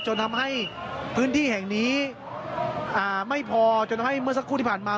จนทำให้พื้นที่แห่งนี้ไม่พอจนให้เมื่อสักครู่ที่ผ่านมา